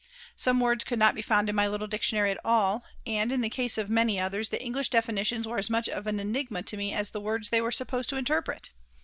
Some words could not be found in my little dictionary at all, and in the case of many others the English definitions were as much of an enigma to me as the words they were supposed to interpret.